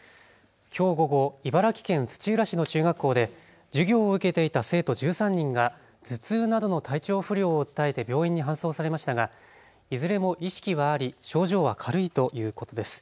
きょう午後、茨城県土浦市の中学校で授業を受けていた生徒１３人が頭痛などの体調不良を訴えて病院に搬送されましたがいずれも意識はあり症状は軽いということです。